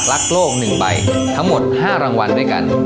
รักโลก๑ใบทั้งหมด๕รางวัลด้วยกัน